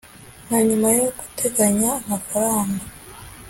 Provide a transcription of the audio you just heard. na nyuma yo guteganya amafaranga